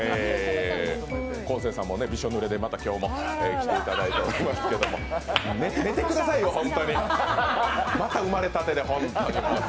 昴生さんもびしょぬれでまた今日も来ていただいておりますけれども、やめてくださいよ、また生まれたてで、本当に。